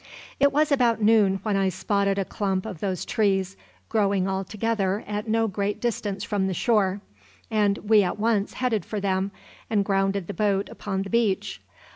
It was about noon when I spotted a clump of those trees growing all together at no great distance from the shore, and we at once headed for them and grounded the boat upon the beach.